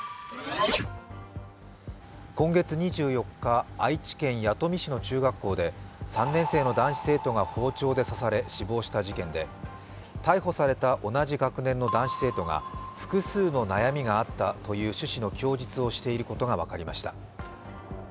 今月２４日、愛知県弥富市の中学校で３年生の男子生徒が包丁で刺され死亡した事件で逮捕された同じ学年の男子生徒が複数の悩みがあったという趣旨の供述をしていることが分かりました。